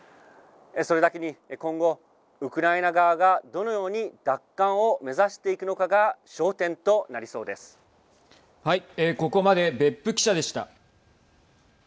それだけに、今後ウクライナ側が、どのように奪還を目指していくのかがここまで、別府記者でした。